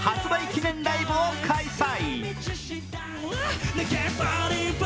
記念ライブを開催。